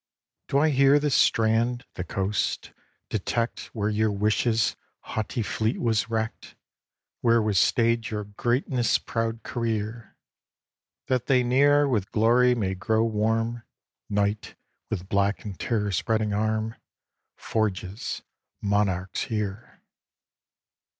Do I hear the strand, the coast, detect Where your wishes' haughty fleet was wrecked, Where was stayed your greatness' proud career That they ne'er with glory may grow warm, Night, with black and terror spreading arm, Forges monarchs here.